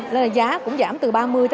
nên là giá cũng giảm từ ba mươi năm mươi